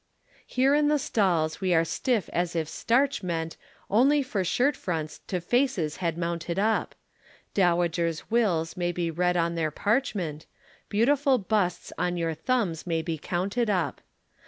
Here in the stalls we are stiff as if starch, meant Only for shirt fronts, to faces had mounted up; Dowagers' wills may be read on their parchment, Beautiful busts on your thumbs may be counted up.